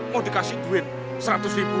mau dikasih duit seratus ribu